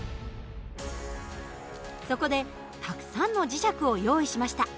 そこでたくさんの磁石を用意しました。